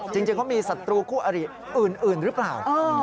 จริงเขามีศัตรูคู่อริอื่นหรือเปล่า